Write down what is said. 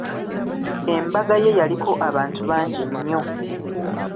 Embaga ye yaliko abantu bangi nnyo!